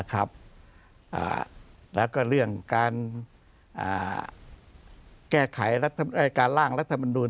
และก็เรื่องการร่างรัฐบุญที่เกี่ยวไว้